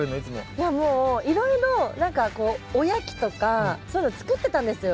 いやもういろいろ何かこうおやきとかそういうの作ってたんですよ。